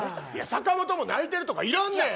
坂本も泣いてるとかいらんねん。